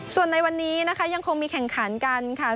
ส่วนในวันนี้นะคะยังคงมีแข่งขันกันค่ะ